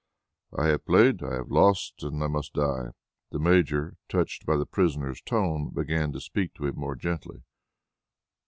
I have played, I have lost, and I must die." The Major, touched by the prisoner's tone, began to speak to him more gently.